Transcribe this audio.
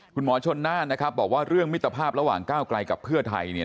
คุณหมอชนนานบอกว่าเรื่องมิตรภาพระหว่างก้าวกลายกับเพื่อไทย